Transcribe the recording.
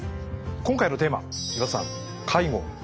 今回のテーマ岩田さん「介護」ですか。